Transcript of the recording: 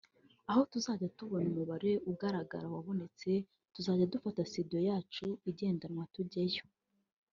aho tuzajya tubona umubare ugaragara wabonetse tuzajya dufata studio yacu igendanwa tujyeyo”